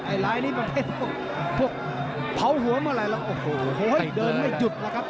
ไอ้ลายนี้พวกเผาหัวมาแล้วโอ้โหโหเดินไม่จุบแล้วครับ